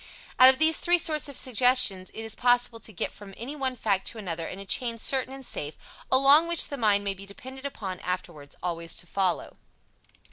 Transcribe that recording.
Out of these three sorts of suggestion it is possible to get from anyone fact to another in a chain certain and safe, along which the mind may be depended upon afterwards always to follow.